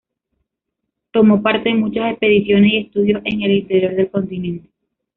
Tomó parte en muchas expediciones y estudios en el interior del continente.